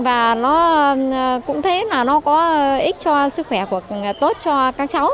và nó cũng thấy là nó có ích cho sức khỏe tốt cho các cháu